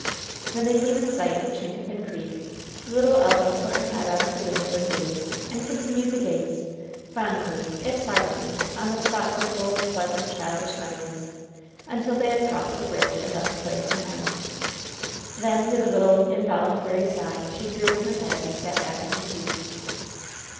When they came in sight of Chincapin Creek little Elva put her head out of the window and gazed, and continued to gaze, fondly, if silently, on the spot so full of pleasant, childish memories, until they had crossed the bridge and left the place behind. Then, with a little, involuntary sigh, she drew in her head and sat back in her seat.